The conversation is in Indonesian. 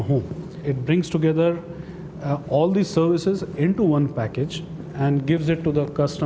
kami membawa semua perusahaan ini ke satu paket dan memberikannya kepada pelanggan melalui satu interfasi